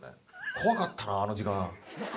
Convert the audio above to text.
怖かったなあの時間。